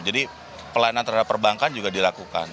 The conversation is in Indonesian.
jadi pelayanan terhadap perbankan juga dilakukan